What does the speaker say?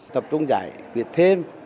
tập trung giải việc thêm